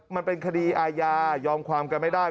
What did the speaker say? มันเป็นคดีอาญายอมความกันไม่ได้